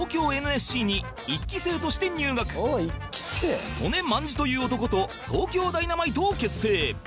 二郎は曽根卍という男と東京ダイナマイトを結成